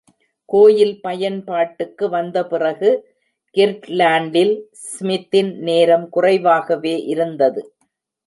கோயில் பயன்பாட்டுக்கு வந்த பிறகு கிர்ட்லாண்டில் ஸ்மித்தின் நேரம் குறைவாகவே இருந்தது.